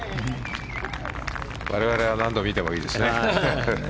我々は何度見てもいいですね。